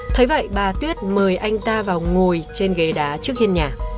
thấy vậy bà tuyết mời anh ta vào ngồi trên ghế đá trước hiên nhà